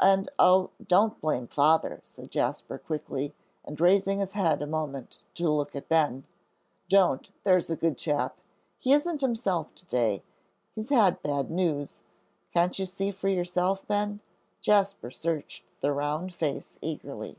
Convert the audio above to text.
"And, oh, don't blame Father," said Jasper, quickly, and raising his head a moment to look at Ben. "Don't, there's a good chap. He isn't himself to day, he's had bad news. Can't you see for yourself, Ben?" Jasper searched the round face eagerly.